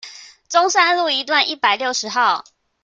中山路一段一百六十號